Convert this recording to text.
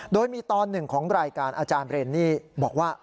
โดยมีตอนหนึ่งของรายการอาจารย์เรนนี่บอกว่า